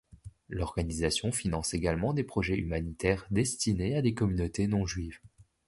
L'organisation finance également des projets humanitaires destinés à des communautés non-juives.